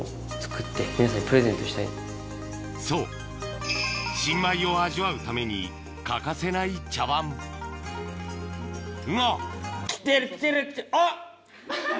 そう新米を味わうために欠かせないが！